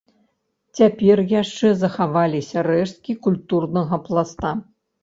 Цяпер яшчэ захаваліся рэшткі культурнага пласта.